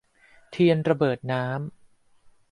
เทียนระเบิดน้ำ